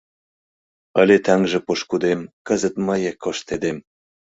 Ыле таҥже пошкудем Кызыт мые коштедем.